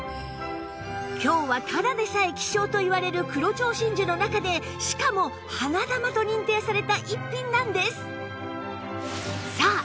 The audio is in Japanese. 今日はただでさえ希少といわれる黒蝶真珠の中でしかも花珠と認定された逸品なんです